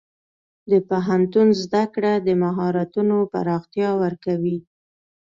د پوهنتون زده کړه د مهارتونو پراختیا ورکوي.